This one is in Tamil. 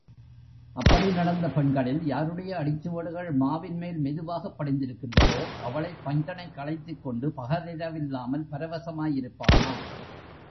அப்படி நடந்த பெண்களில் யாருடைய அடிச்சுவடுகள் மாவின் மேல் மெதுவாக படிந்திருக்கின்றதோ அவளைப் பஞ்சணைக்கழைத்துக்கொண்டு பகலிரவில்லாமல் பரவசமாகயிருப்பானாம்.